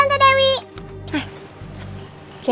ceri jadi anak baik ya